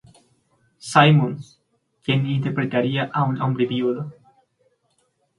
Simmons, quien interpretaría a un hombre viudo.